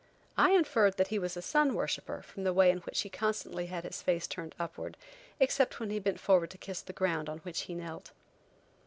I inferred that he was a sun worshipper from the way in which he constantly had his face turned upward, except when he bent forward to kiss the ground on which he knelt.